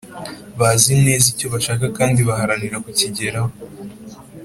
Bazi neza icyo bashaka kandi baharanira kukigeraho